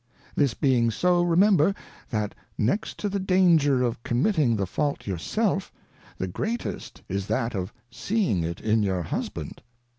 This being so, remember. That next to the danger of committing the Fault your self, the greatest is that of seeing it in your Husband.